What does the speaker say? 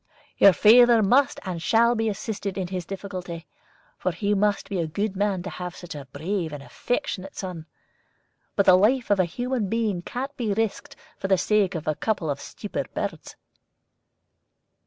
"Your father must and shall be assisted in his difficulty, for he must be a good man to have such a brave and affectionate son. But the life of a human being can't be risked for the sake of a couple of stupid birds."